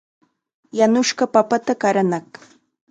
Yanushqa papata qaranaaq.